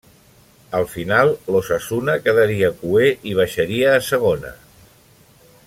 Al final, l'Osasuna quedaria cuer i baixaria a Segona.